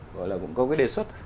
gọi là cũng có cái đề xuất